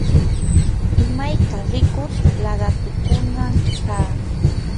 imayka rikuq laqatukunam kan.